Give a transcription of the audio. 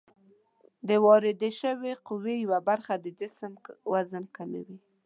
د واردې شوې قوې یوه برخه د جسم وزن کموي.